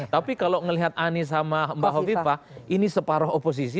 tapi kalau melihat anies sama mbak hovipa ini separoh oposisi